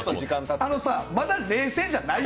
あのさ、まだ冷静じゃないよ？